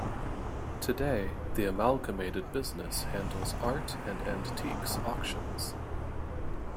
Today, the amalgamated business handles art and antiques auctions.